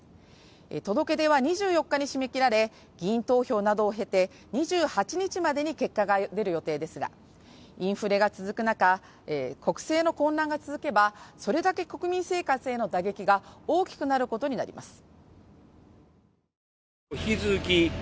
届け出は２４日に締め切られ議員投票などを経て２８日までに結果が出る予定ですがインフレが続く中国政の混乱が続けばそれだけ国民生活への打撃が大きくなることになります